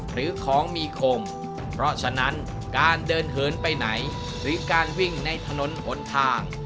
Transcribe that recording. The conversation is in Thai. หรือของมีคมเพราะฉะนั้นการเดินเหินไปไหนหรือการวิ่งในถนนหนทาง